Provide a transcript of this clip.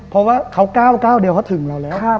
เพราะว่าเขาก้าวเดียวเขาถึงเราแล้ว